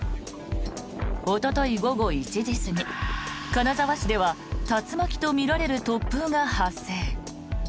おととい午後１時過ぎ金沢市では竜巻とみられる突風が発生。